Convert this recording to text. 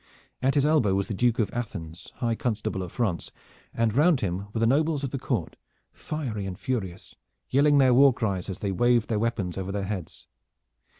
At his elbow was the Duke of Athens, High Constable of France, and round him were the nobles of the court, fiery and furious, yelling their warcries as they waved their weapons over their heads.